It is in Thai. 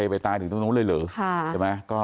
ไม่ตายตรงนู้นเลยเหรอ